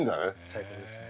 最高ですね。